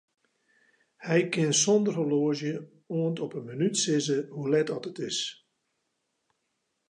Hy kin sonder horloazje oant op 'e minút sizze hoe let as it is.